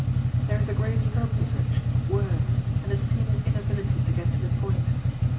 There is a great surplusage of words and a seeming inability to get to the point.